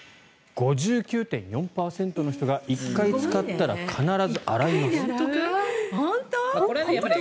５９．４％の人が１回使ったら必ず洗いますと。